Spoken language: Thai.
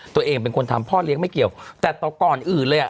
ตัวเองเป็นคนทำพ่อเลี้ยงไม่เกี่ยวแต่ต่อก่อนอื่นเลยอ่ะ